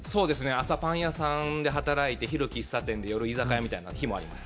朝パン屋さんで働いて昼喫茶店で夜居酒屋みたいな日もあります